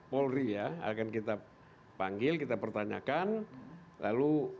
polri ya akan kita panggil kita pertanyakan lalu